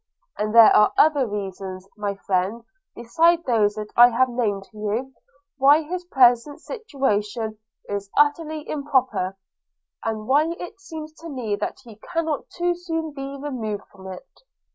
And there are other reasons, my friend, besides those that I have named to you, why his present situation is utterly improper, and why it seems to me that he cannot too soon be removed from it.'